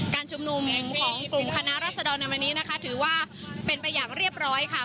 การชุมนุมของกลุ่มคณะรัศดรในวันนี้นะคะถือว่าเป็นไปอย่างเรียบร้อยค่ะ